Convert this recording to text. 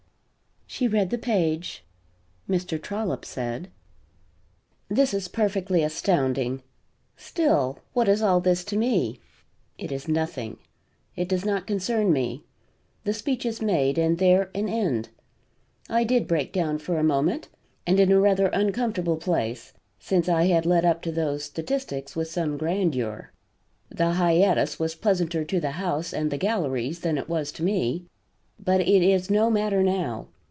She read the page. Mr. Trollop said: "This is perfectly astounding. Still, what is all this to me? It is nothing. It does not concern me. The speech is made, and there an end. I did break down for a moment, and in a rather uncomfortable place, since I had led up to those statistics with some grandeur; the hiatus was pleasanter to the House and the galleries than it was to me. But it is no matter now.